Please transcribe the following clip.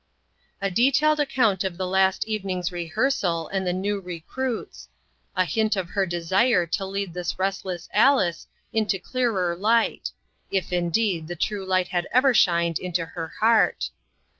A detailed account of the last evening's rehearsal, and the new recruits. A hint of her desire to lead this restless Alice into clearer light if, indeed, the true Light had ever shined into her heart.